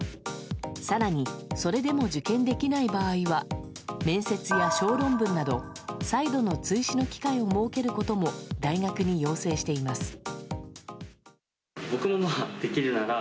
更に、それでも受験できない場合は面接や小論文など再度の追試の機会を設けることも大学に要請しています。